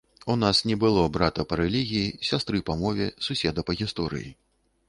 У нас не было брата па рэлігіі, сястры па мове, суседа па гісторыі.